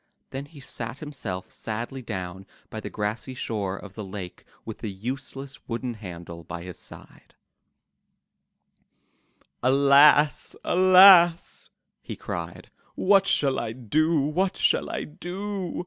Then he sat himself sadly down by the grassy shore of the lake with the useless wooden handle by his side. 78 UP ONE PAIR OF STAIRS '^Alas! Alas!" he cried, "What shall I do? What shall I do?